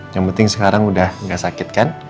yang penting sekarang udah gak sakit kan